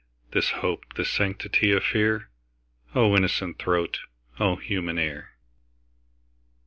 This hope, this sanctity of fear?O innocent throat! O human ear!